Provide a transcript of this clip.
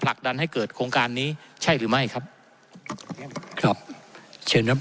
ผลักดันให้เกิดโครงการนี้ใช่หรือไม่ครับครับเชิญครับ